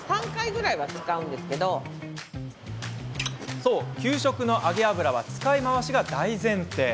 そう、給食の揚げ油は使い回しが大前提。